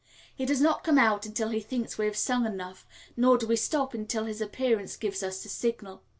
He does not come out until he thinks we have sung enough, nor do we stop until his appearance gives us the signal.